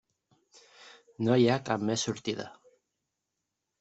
No hi ha cap més sortida.